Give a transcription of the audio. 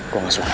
gue ga suka